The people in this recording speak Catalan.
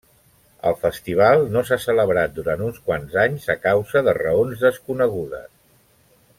El festival no s'ha celebrat durant uns quants anys a causa de raons desconegudes.